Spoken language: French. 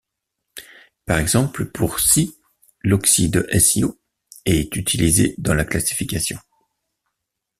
Par exemple, pour Si, l'oxyde SiO est utilisé dans la classification.